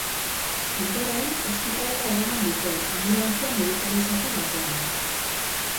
Ondoren, ospitalera eraman dute, anbulantzia medikalizatu batean.